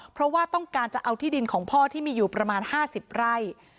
เพราะว่าต้องการจะเอาที่ดินของพ่อที่มีอยู่ประมาณ๕๐ไร่